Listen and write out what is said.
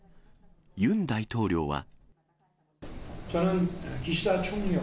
ユン大統領は。